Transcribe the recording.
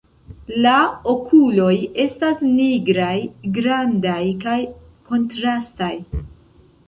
La okuloj estas nigraj, grandaj kaj kontrastaj.